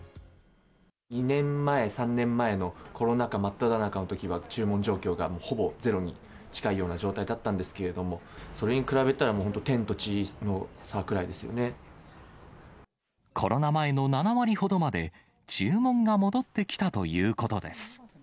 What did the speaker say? ２年前、３年前のコロナ禍真っただ中のときは、注文状況がほぼゼロに近いような状態だったんですけれども、それに比べたら、もう本当、コロナ前の７割ほどまで注文が戻ってきたということです。